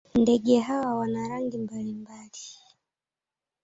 Ndege hawa wana rangi mbalimbali.